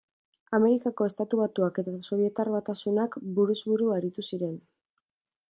Amerikako Estatu Batuak eta Sobietar Batasunak buruz buru aritu ziren.